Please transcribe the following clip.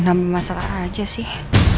namanya masalah aja sih